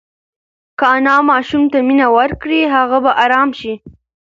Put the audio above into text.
که انا ماشوم ته مینه ورکړي، هغه به ارام شي.